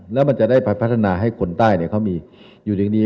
แล้วมันจะได้ไปพัฒนาให้คนใต้เนี่ยเขามีอยู่ดี